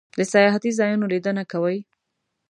د سیاحتی ځایونو لیدنه کوئ؟